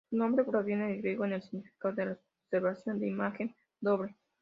Su nombre proviene del griego, con el significado de "observador de imagen doble.